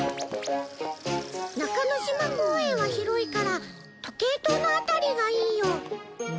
中の島公園は広いから時計塔の辺りがいいよ。